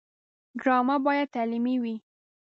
ډرامه باید تعلیمي وي